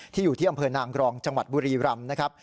อยู่ที่อำเภอนางรองจังหวัดบุรีรำนะครับ